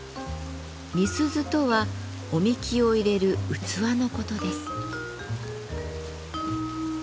瓶子とはお神酒を入れる器のことです。